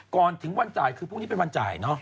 ก่อนถึงวันจ่ายคือพรุ่งนี้เป็นวันจ่ายเนอะ